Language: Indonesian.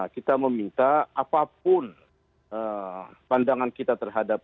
kita meminta apapun pandangan kita terhadap